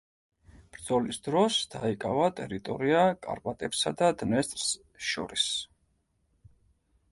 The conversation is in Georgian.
ბრძოლის დროს დაიკავა ტერიტორია კარპატებსა და დნესტრს შორის.